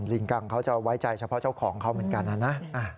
ลิงกังเขาจะไว้ใจเฉพาะเจ้าของเขาเหมือนกันนะนะ